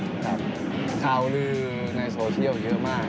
ข่าวลือในโซเชียลเยอะมาก